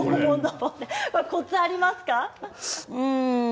コツがありますか？